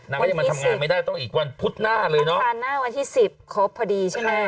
ก็ยังมาทำงานไม่ได้ต้องอีกวันพุธหน้าเลยเนาะทานหน้าวันที่สิบครบพอดีใช่ไหม